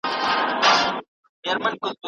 دا جزا سړي ته د حقیقت د پوهولو لپاره اړینه وه.